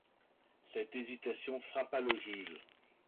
Cette hésitation frappa le juge.